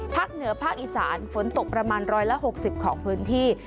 เหนือภาคอีสานฝนตกประมาณ๑๖๐ของพื้นที่